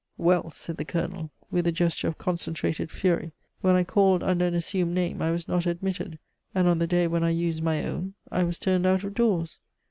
Well," said the Colonel, with a gesture of concentrated fury, "when I called under an assumed name I was not admitted, and on the day when I used my own I was turned out of doors.